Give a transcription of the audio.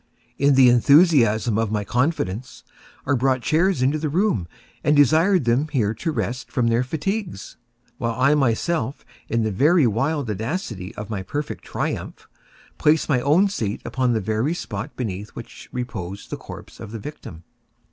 In the enthusiasm of my confidence, I brought chairs into the room, and desired them here to rest from their fatigues, while I myself, in the wild audacity of my perfect triumph, placed my own seat upon the very spot beneath which reposed the corpse of the victim.